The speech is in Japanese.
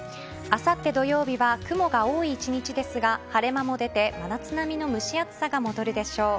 あさって土曜日は雲が多い１日ですが晴れ間も出て真夏並みの蒸し暑さが戻るでしょう。